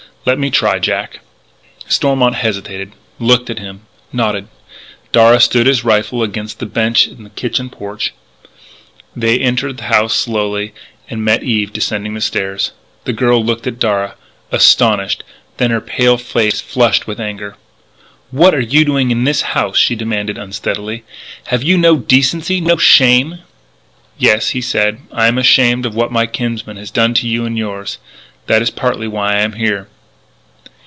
Let me try, Jack." Stormont hesitated, looked at him, nodded. Darragh stood his rifle against the bench on the kitchen porch. They entered the house slowly. And met Eve descending the stairs. The girl looked at Darragh, astonished, then her pale face flushed with anger. "What are you doing in this house?" she demanded unsteadily. "Have you no decency, no shame?" "Yes," he said, "I am ashamed of what my kinsman has done to you and yours. That is partly why I am here."